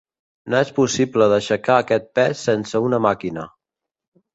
No és possible d'aixecar aquest pes sense una màquina.